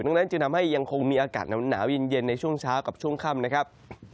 ดังนั้นจึงทำให้ยังคงมีอากาศหนาวเย็นในช่วงเช้ากับช่วงค่ำนะครับ